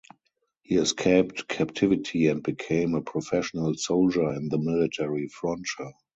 He escaped captivity and became a professional soldier in the Military Frontier.